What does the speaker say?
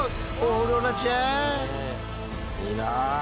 いいな。